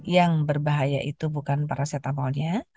yang berbahaya itu bukan paracetamolnya